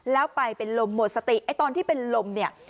แล้วไปเป็นลมหมดสติไอ้ตอนที่เป็นลมเนี่ย